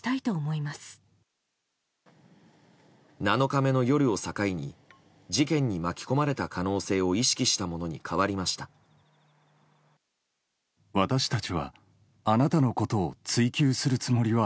７日目の夜を境に事件に巻き込まれた可能性を意識したものに変わりました。